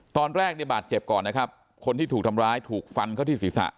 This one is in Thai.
ตอนแรกเนี่ยบาดเจ็บก่อนนะครับคนที่ถูกทำร้ายถูกฟันเข้าที่ศีรษะ